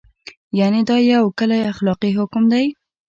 یعنې دا یو کلی اخلاقي حکم دی.